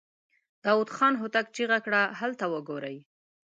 داوود خان هوتک چيغه کړه! هلته وګورئ!